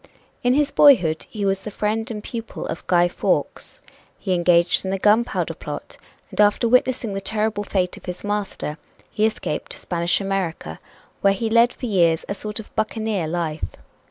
In his boyhood he was the friend and pupil of Guy Fawkes; he engaged in the Gunpowder Plot, and after witnessing the terrible fate of his master, he escaped to Spanish America, where he led for years a sort of buccaneer life.